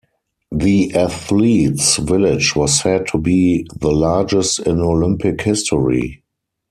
The athletes' village was said to be the largest in Olympic history.